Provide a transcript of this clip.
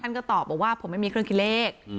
ก็ตอบบอกว่าผมไม่มีเครื่องคิดเลข